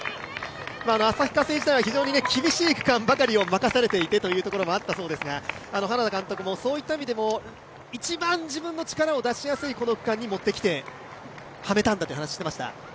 旭化成時代は厳しい区間ばかり任されていてと話していましたが花田監督もそういった意味でも一番自分の力を出しやすいこの区間に持って来てはめたんだという話をしていました。